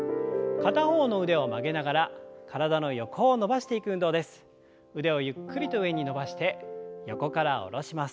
片方の腕を曲げながら体の横を伸ばします。